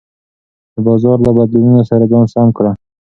د بازار له بدلونونو سره ځان سم کړه.